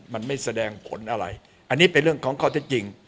มันไม่แสดงผลอะไรอันนี้เป็นเรื่องของข้อเท็จจริง